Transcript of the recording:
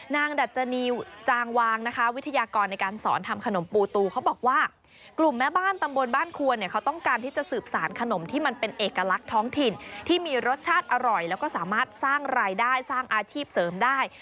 ดัชนีจางวางนะคะวิทยากรในการสอนทำขนมปูตูเขาบอกว่ากลุ่มแม่บ้านตำบลบ้านควรเนี่ยเขาต้องการที่จะสืบสารขนมที่มันเป็นเอกลักษณ์ท้องถิ่นที่มีรสชาติอร่อยแล้วก็สามารถสร้างรายได้สร้างอาชีพเสริมได้